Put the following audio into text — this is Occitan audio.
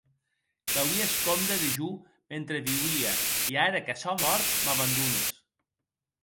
Qu’auies compde de jo mentre viuia, e ara que sò mòrt m’abandones.